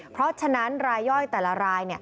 เพราะฉะนั้นรายย่อยแต่ละราย